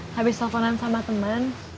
habis teleponan sama teman